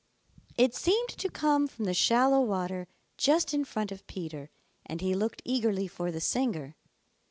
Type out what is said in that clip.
It seemed to come from the shallow water just in front of Peter, and he looked eagerly for the singer.